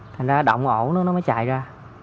thành ra động ổ nó mới chạy ra